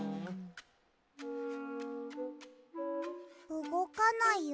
うごかないよ。